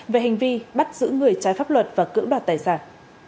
về hành vi bắt giữ người trái pháp luật và cưỡng đoạt tài sản